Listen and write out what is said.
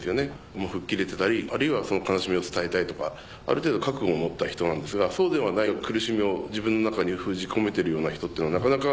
もうふっきれてたりあるいは悲しみを伝えたいとかある程度覚悟を持った人なんですがそうではない苦しみを自分の中に封じ込めてるような人っていうのはなかなか。